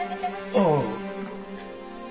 ああ。